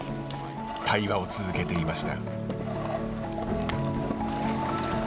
対話を続けていました。